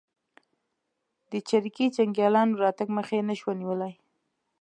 د چریکي جنګیالیو راتګ مخه یې نه شوه نیولای.